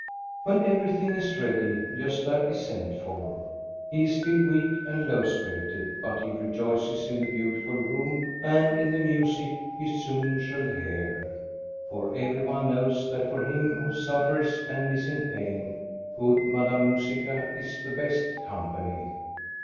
When everything is ready Gosta is sent for. He is still weak and low spirited, but he rejoices in the beautiful room and in the music he soon shall hear. For every one knows that for him who suffers and is in pain good Madame Musica is the best company.